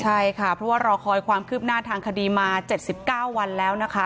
ใช่ค่ะเพราะว่ารอคอยความคืบหน้าทางคดีมา๗๙วันแล้วนะคะ